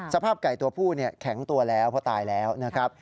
สภาพไก่ตัวผู้แข็งตัวแล้วเพราะตายแล้วนะครับ